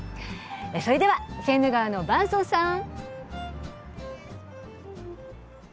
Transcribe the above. それではセーヌ川のヴァンソンさん。